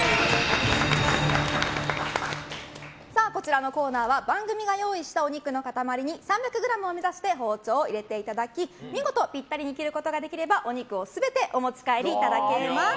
こちらのコーナーは番組が用意したお肉の塊に３００ｇを目指して包丁を入れていただき見事ぴったりに切ることができればお肉を全てお持ち帰りいただけます。